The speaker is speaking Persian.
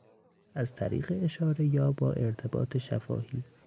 از طریق اشاره یا با ارتباط شفاهی